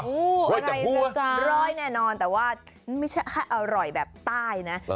หัวใจบัวร้อยแน่นอนแต่ว่าไม่ใช่แค่อร่อยแบบใต้นะ